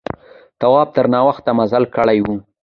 تواب تر ناوخته مزل کړی و.